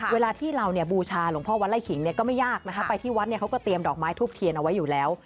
เวลาที่เราเนี่ยบูชาหลวงพ่อวัดไล่ขิงก็ไม่ยากนะคะไปที่วัดเนี่ยเขาก็เตรียมดอกไม้ทูบเทียนเอาไว้อยู่แล้ว